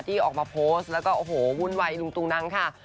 ออกมาโพสต์แล้วก็โอ้โหวุ่นวายลุงตุงนังค่ะ